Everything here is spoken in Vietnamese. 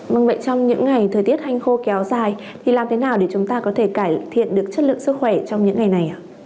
vâng vậy trong những ngày thời tiết hành khô kéo dài thì làm thế nào để chúng ta có thể cải thiện được chất lượng sức khỏe trong những ngày này